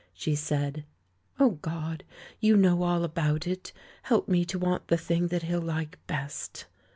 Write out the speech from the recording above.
She said, "O God, You know all about it — help me to want the thing that he'll like best!'